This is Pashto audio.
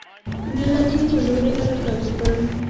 د غزني پر لور یې حرکت وکړ.